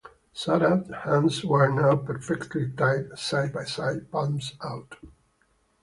Sarah's hands were now perfectly tied side by side, palms out.